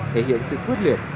thể hiện sự quyết liệt